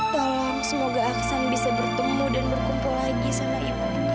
tolong semoga aksan bisa bertemu dan berkumpul lagi sama ibu